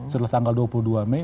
setelah tanggal dua puluh dua mei